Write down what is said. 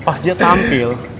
pas dia tampil